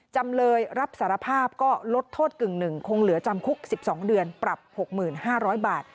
จำเลยรับสารภาพก็ลดโทษกึ่งหนึ่งคงเหลือจำคุก๑๒เดือนปรับ๖๕๐๐บาท